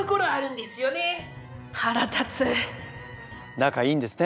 仲いいんですね。